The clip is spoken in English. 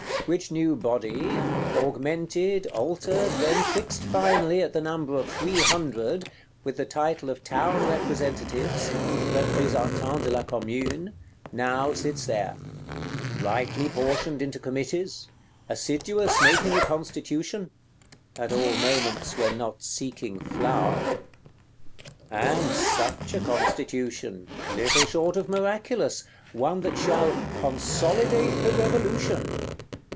Which new Body, augmented, altered, then fixed finally at the number of Three Hundred, with the title of Town Representatives (Représentans de la Commune), now sits there; rightly portioned into Committees; assiduous making a Constitution; at all moments when not seeking flour. And such a Constitution; little short of miraculous: one that shall "consolidate the Revolution"!